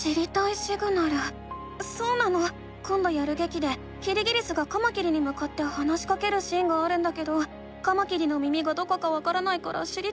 そうなのこんどやるげきでキリギリスがカマキリにむかって話しかけるシーンがあるんだけどカマキリの耳がどこかわからないから知りたいの。